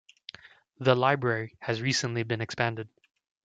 The library has recently been expanded.